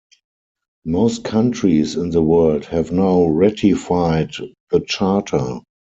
Most countries in the world have now ratified the Charter.